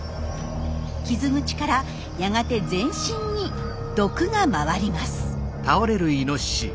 傷口からやがて全身に毒が回ります。